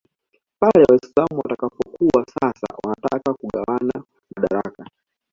pale Waislam watakapokuwa sasa wanataka kugawana madaraka